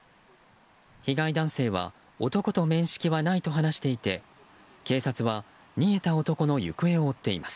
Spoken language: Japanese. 被害男性は男と面識はないと話していて警察は、逃げた男の行方を追っています。